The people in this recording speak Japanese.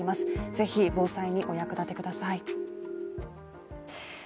是非防災にお役立てください。